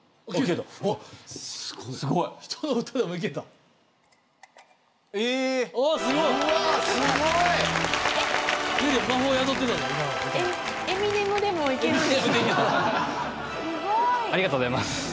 おおすごい！ありがとうございます。